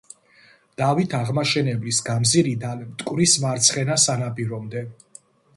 დავით აღმაშენებლის გამზირიდან მტკვრის მარცხენა სანაპირომდე.